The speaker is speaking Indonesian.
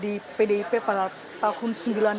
di pdip pada tahun seribu sembilan ratus sembilan puluh